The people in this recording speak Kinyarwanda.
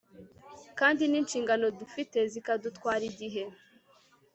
kandi ninshingano dufite zikadutwara igihe